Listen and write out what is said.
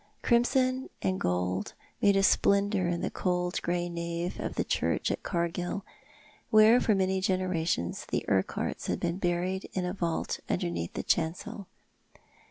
Crimson and gold made a splendour in the cold grey nave of the church at Cargill, where for many generations the Urquharts had been buried in a vault underneath the chancel.